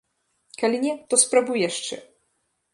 Калі не, то спрабуй яшчэ!